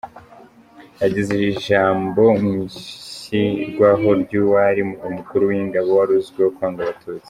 Yagize ijambo mw’ishyirwaho ry’uwari umukuru w’ingabo wari uzwiho kwanga Abatutsi.